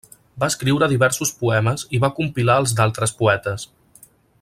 Va escriure diversos poemes i va compilar els d'altres poetes.